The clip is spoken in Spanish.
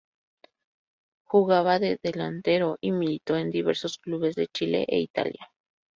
Jugaba de delantero y militó en diversos clubes de Chile e Italia.